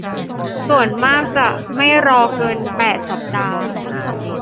ส่วนมากจะไม่รอเกิน แปด สัปดาห์